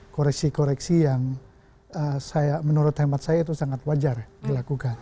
koreksi koreksi yang menurut hemat saya itu sangat wajar dilakukan